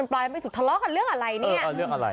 แม่ค้าทนปลายไปถูกทะเลาะกับเรื่องอะไรเนี่ย